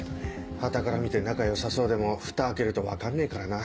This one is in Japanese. はたから見て仲良さそうでもふた開けると分かんねえからな。